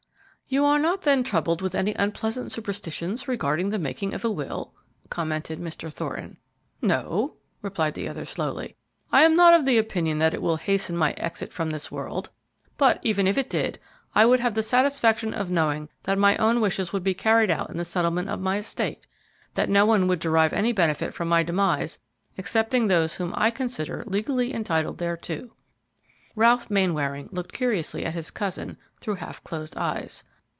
"You are not then troubled with any unpleasant superstitions regarding the making of a will?" commented Mr. Thornton. "No," replied the other, slowly. "I am not of the opinion that it will hasten my exit from this world; but even if it did, I would have the satisfaction of knowing that my own wishes would be carried out in the settlement of my estate, and that no one would derive any benefit from my demise excepting those whom I consider legally entitled thereto." Ralph Mainwaring looked curiously at his cousin through half closed eyes.